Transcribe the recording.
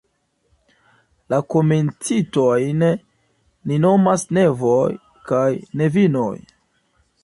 La komencintojn ni nomas "nevoj" kaj "nevinoj".